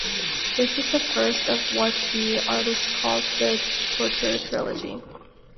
This is the first of what the artist calls his "Torture Trilogy".